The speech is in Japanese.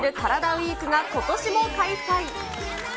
ＷＥＥＫがことしも開催。